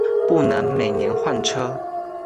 不能每年换车